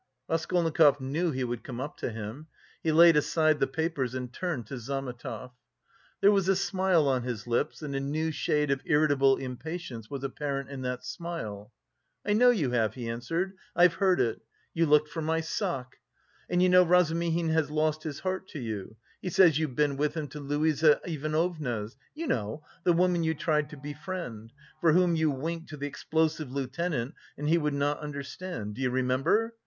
Raskolnikov knew he would come up to him. He laid aside the papers and turned to Zametov. There was a smile on his lips, and a new shade of irritable impatience was apparent in that smile. "I know you have," he answered. "I've heard it. You looked for my sock.... And you know Razumihin has lost his heart to you? He says you've been with him to Luise Ivanovna's you know, the woman you tried to befriend, for whom you winked to the Explosive Lieutenant and he would not understand. Do you remember?